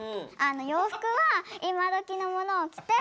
洋服は今どきのものを着て。